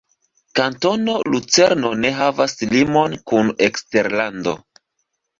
Kantono Lucerno ne havas limon kun eksterlando.